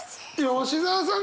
吉澤さん